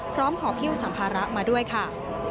พร้อมขอเพี่ยวสัมภาระมาด้วยค่ะ